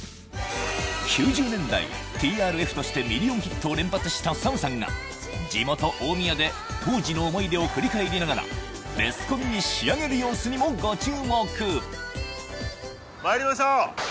９０年代ＴＲＦとしてミリオンヒットを連発したＳＡＭさんが地元大宮で当時の思い出を振り返りながらベスコンに仕上げる様子にもご注目参りましょう！